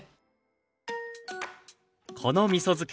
このみそ漬け。